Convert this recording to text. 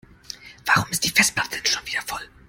Warum ist die Festplatte denn schon wieder voll?